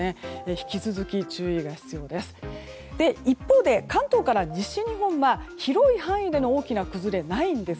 引き続き注意が必要です。